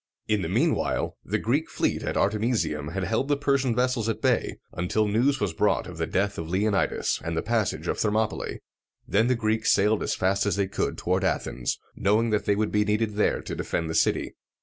In the mean while the Greek fleet at Artemisium had held the Persian vessels at bay, until news was brought of the death of Leonidas, and the passage of Thermopylæ. Then the Greeks sailed as fast as they could toward Athens, knowing that they would be needed there to defend the city.